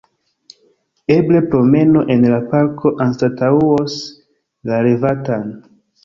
Eble promeno en la parko anstataŭos la revatan.